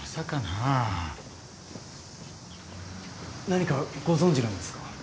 何かご存じなんですか？